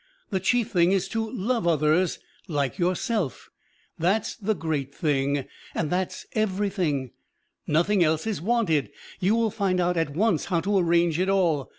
The chief thing is to love others like yourself, that's the great thing, and that's everything; nothing else is wanted you will find out at once how to arrange it all.